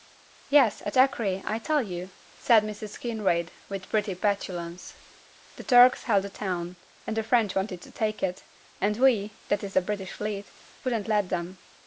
'Yes, at Acre, I tell you,' said Mrs. Kinraid, with pretty petulance. 'The Turks held the town, and the French wanted to take it; and we, that is the British Fleet, wouldn't let them.